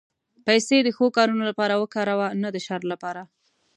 پېسې د ښو کارونو لپاره وکاروه، نه د شر لپاره.